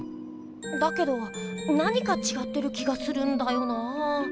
だけど何かちがってる気がするんだよなぁ。